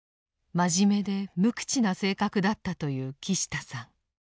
真面目で無口な性格だったという木下さん。